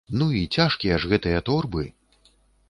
Ну і цяжкія ж гэтыя торбы!